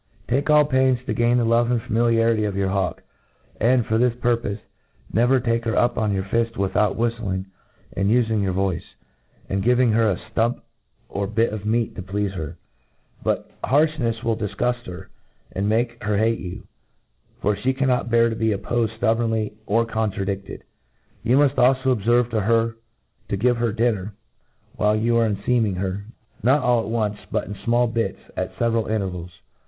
* Take all pains to gain the love and familiarity of your hawk ; and, for this pUrpofe,. never take her up on your fift without whittling, and* ufing your voice, and giving her a ftump or bit of meat to pleafe her. But harfhrtefs will' difguft her; and make her hate you ; for fhe cannot bear ttf be oppofed ftubbornly, or' contradiftcdv Yovt muft alfo obferrc to give her dinner, while you are ehfeaming her, not all at once, but ui fmali bits, at feveral intervals.